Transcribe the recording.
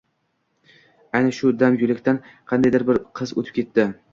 Ayni shu dam yo`lakdan qandaydir bir qiz o`tib ketdi